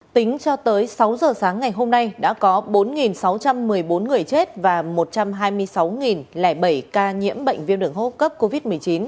tính cho tới sáu giờ sáng ngày hôm nay đã có bốn sáu trăm một mươi bốn người chết và một trăm hai mươi sáu bảy ca nhiễm bệnh viêm đường hô hấp cấp covid một mươi chín